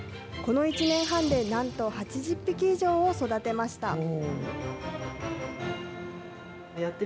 この１年半でなんと８０匹以上を育てました。